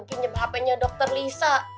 penyebab hp nya dokter lisa